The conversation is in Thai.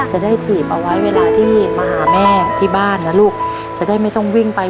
จะได้ถีบเอาไว้เวลาที่มาหาแม่ที่บ้านนะลูกจะได้ไม่ต้องวิ่งไป